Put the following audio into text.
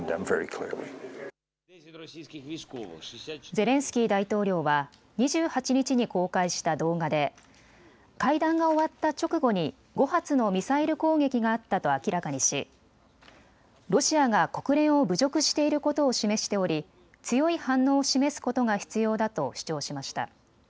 ゼレンスキー大統領は２８日に公開した動画で会談が終わった直後に５発のミサイル攻撃があったと明らかにしロシアが国連を侮辱していることを示しており強い反応を示すことが必要だと主張しました。